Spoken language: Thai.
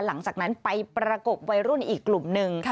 หลังจากนั้นไปประกบวัยรุ่นอีกกลุ่มหนึ่ง